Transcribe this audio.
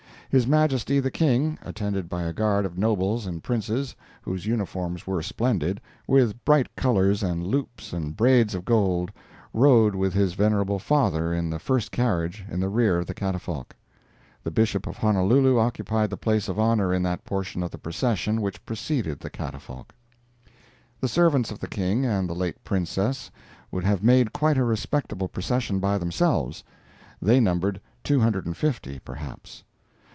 His Majesty the King, attended by a guard of nobles and princes, whose uniforms were splendid, with bright colors and loops and braids of gold, rode with his venerable father in the first carriage in the rear of the catafalque. The Bishop of Honolulu occupied the place of honor in that portion of the procession which preceded the catafalque. The servants of the King and the late Princess would have made quite a respectable procession by themselves. They numbered two hundred and fifty, perhaps.